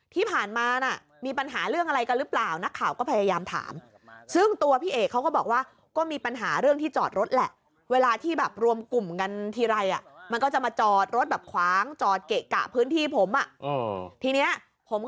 ที่ผ่านมามีปัญหาเรื่องอะไรกันหรือเปล่านักข่าวก็พยายามถาม